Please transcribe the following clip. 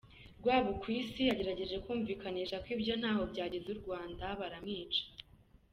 Rwabukwisi yagerageje kubumvisha ko ibyo ntaho byageza u Rwanda, baramwica.